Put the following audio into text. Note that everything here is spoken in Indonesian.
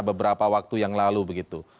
beberapa waktu yang lalu begitu